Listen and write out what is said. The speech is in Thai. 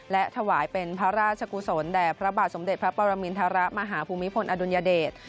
และถวายเป็นพระราชกุศลแด่พระบาทสมเด็จพระปรมินทรมาหาภูมิพลอดุลยเดช